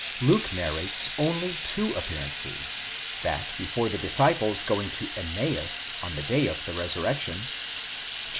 Luke narrates only two appearances: that before the disciples going to Emmaus on the day of the resurrection (xxiv.